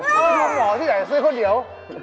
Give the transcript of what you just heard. ก็ดูหมอที่อยากจะซื้อข้าวเหนียว